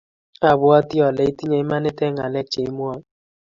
Abwoti ale itinye imanit eng ngalek che imwoe